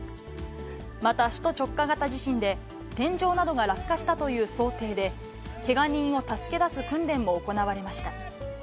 また、首都直下型地震で、天井などが落下したという想定で、けが人を助け出す訓練も行われました。